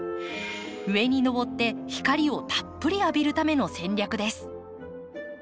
上にのぼって光をたっぷり浴びるための戦略です。